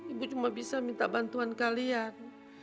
ibu cuma bisa minta bantuan kalian